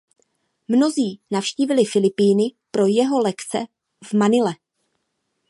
Mnozí navštívili Filipíny pro jeho lekce v Manile.